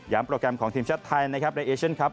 ย้ำโปรแกรมของทีมชาติไทยในเอเชียนครับ